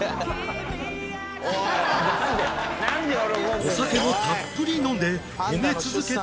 お酒もたっぷり飲んで褒め続けた渡辺さん